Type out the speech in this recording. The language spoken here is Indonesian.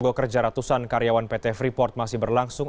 sebuah kerja ratusan karyawan pt freeport masih berlangsung